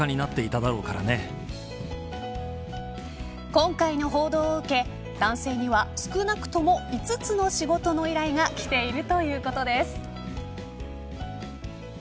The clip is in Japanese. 今回の報道を受け男性には少なくとも５つの仕事の依頼がきているということです。